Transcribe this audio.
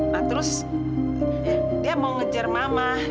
nah terus dia mau ngejar mama